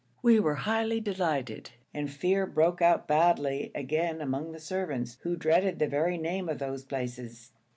We were highly delighted, and fear broke out badly again among the servants, who dreaded the very name of those places.